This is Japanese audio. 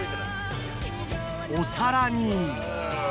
お皿に。